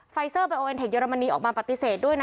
เซอร์ไบโอเอ็นเทคเรมนีออกมาปฏิเสธด้วยนะ